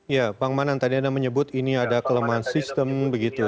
ya bang manan tadi anda menyebut ini ada kelemahan sistem begitu